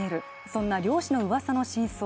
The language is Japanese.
そんな漁師のうわさの真相、